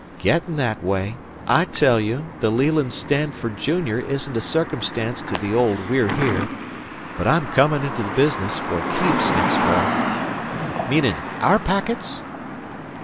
"Getting that way. I tell you, the Leland Stanford Junior, isn't a circumstance to the old We're Here; but I'm coming into the business for keeps next fall." "Meanin' aour packets?"